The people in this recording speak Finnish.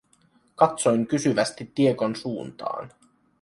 Katsoin kysyvästi Diegon suuntaan.